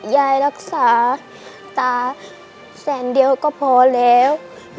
ยายรักษาตาแสนเดียวก็พอแล้ว